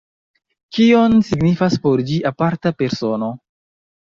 Kion signifas por ĝi aparta persono?